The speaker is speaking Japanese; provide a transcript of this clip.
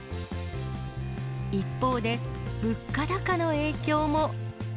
一方で、物価高の影響も。